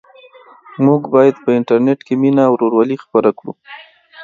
موږ باید په انټرنيټ کې مینه او ورورولي خپره کړو.